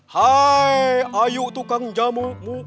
hai ayu tukang jamu